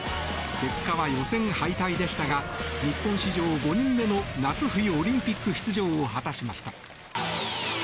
結果は予選敗退でしたが日本史上５人目の夏冬オリンピック出場を果たしました。